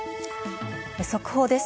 速報です。